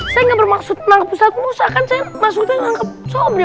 saya nggak bermaksud menangkap usat musa kan saya maksudnya ngangkep sobri